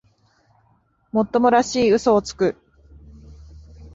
もっともらしい嘘をつく